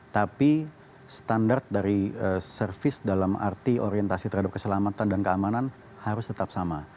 tapi standar dari service dalam arti orientasi terhadap keselamatan dan keamanan harus tetap sama